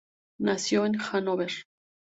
Nació en Hanóver.